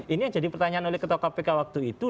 ini yang jadi pertanyaan oleh ketua kpk waktu itu